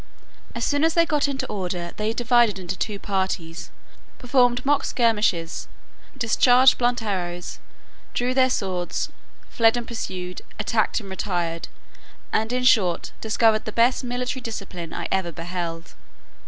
As soon as they got into order they divided into two parties, performed mock skirmishes, discharged blunt arrows, drew their swords, fled and pursued, attacked and retired, and in short discovered the best military discipline I ever beheld.